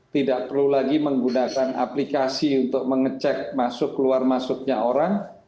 tidak perlu lagi menggunakan aplikasi untuk mengecek masuk keluar masuknya orang